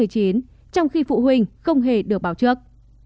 trong khi phụ huynh không hề được báo trước